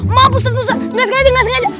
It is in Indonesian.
maaf ustadz musa nggak sengaja nggak sengaja